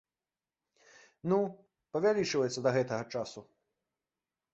Ну, павялічваецца да гэтага часу.